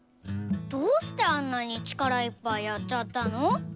どうしてあんなに力いっぱいやっちゃったの？